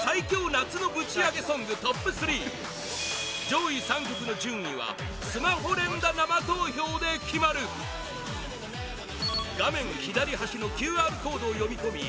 夏のぶちアゲソングトップ３上位３曲の順位はスマホ連打生投票で決まる画面左端のＱＲコードを読み込み